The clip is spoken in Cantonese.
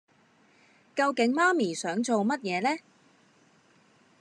究竟媽咪想做乜嘢呢